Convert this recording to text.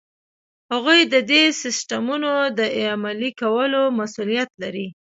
هغوی ددې سیسټمونو د عملي کولو مسؤلیت لري.